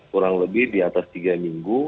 kurang lebih di atas tiga minggu